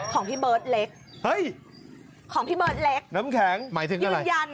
ของพี่เบิร์ดเล็กเห้ยของพี่เบิร์ดเล็กยืนยันน้ำแข็งหมายถึงอะไร